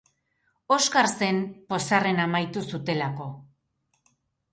Oscar zen, pozarren amaitu zutelako.